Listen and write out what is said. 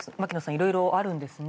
いろいろあるんですね。